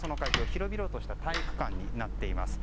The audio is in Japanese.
広々とした体育館になっています。